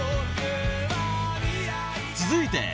［続いて］